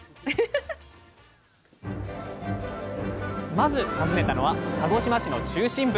まず訪ねたのは鹿児島市の中心部